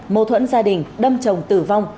mâu thuẫn gia đình đâm chồng tử vong